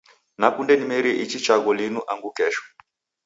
Nakunde nimerie ichi chaghu linu angu kesho.